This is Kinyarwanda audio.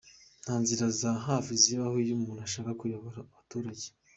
"Nta nzira za hafi zibaho iyo umuntu ashaka kuyobora Abaturage.